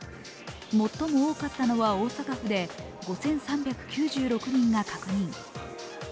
最も多かったのは大阪府で５３９６人が確認。